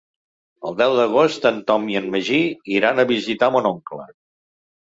El deu d'agost en Tom i en Magí iran a visitar mon oncle.